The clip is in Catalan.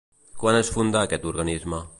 Quan es fundà aquest organisme?